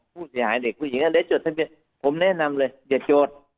ผู้เสียหายเด็กผู้หญิงเดี๋ยวจดทะเบียนผมแนะนำเลยอย่าจด